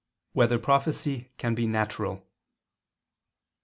1] Whether Prophecy Can Be Natural?